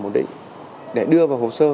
bổn định để đưa vào hồ sơ